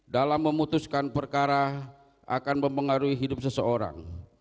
dalam memutuskan perkara akan mempengaruhi hidup seseorang